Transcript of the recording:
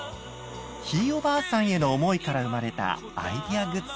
ひいおばあさんへの思いから生まれたアイデアグッズ。